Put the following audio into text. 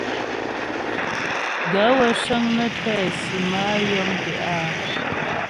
Gaə̂ wə́ cə́ŋ nə́ tɛ́ sim a yɔ̀mtə́.